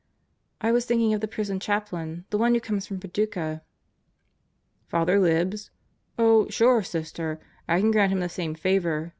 ..." "I was thinking of the prison chaplain, the one who comes from Paducah." "Father Libs? Oh, sure, Sister, I can grant him the same favor.